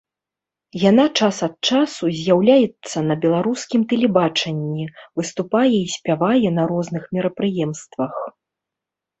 Яна час ад часу з'яўляецца на беларускім тэлебачанні, выступае і спявае на розных мерапрыемствах.